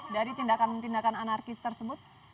dari tindakan tindakan anarkis tersebut